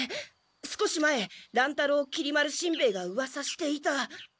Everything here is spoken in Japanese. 少し前乱太郎きり丸しんべヱがうわさしていた。